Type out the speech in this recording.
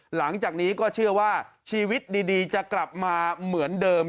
หลังจากนี้ก็เชื่อว่าชีวิตดีจะกลับมาเหมือนเดิม